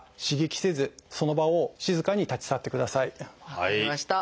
分かりました。